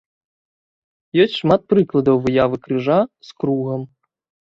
Ёсць шмат прыкладаў выявы крыжа з кругам.